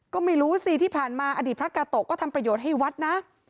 ก็ไม่รู้สิที่ผ่านมาอดีตพระกาโตะก็ทำประโยชน์ให้วัดนะ